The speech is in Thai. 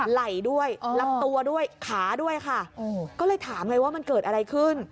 ไหล่ด้วยลำตัวด้วยขาด้วยค่ะก็เลยถามไงว่ามันเกิดอะไรขึ้น